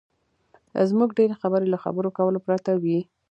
زموږ ډېرې خبرې له خبرو کولو پرته وي.